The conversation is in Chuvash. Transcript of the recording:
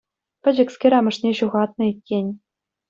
Пӗчӗкскер амӑшне ҫухатнӑ иккен.